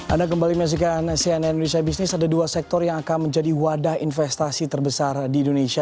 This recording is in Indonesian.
anda kembali menyaksikan cnn indonesia business ada dua sektor yang akan menjadi wadah investasi terbesar di indonesia